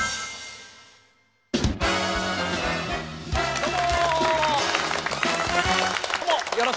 どうぞ。